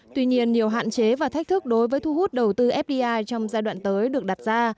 tuy nhiên nhiều hạn chế và thách thức đối với thu hút đầu tư fdi trong giai đoạn tới được đặt ra